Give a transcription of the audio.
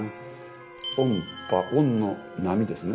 「恩波」「恩」の「波」ですね。